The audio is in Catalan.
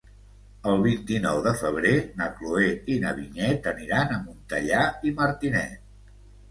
El vint-i-nou de febrer na Cloè i na Vinyet aniran a Montellà i Martinet.